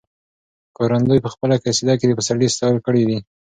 ښکارندوی په خپله قصیده کې د پسرلي ستایل کړي دي.